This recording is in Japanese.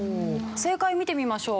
正解見てみましょう。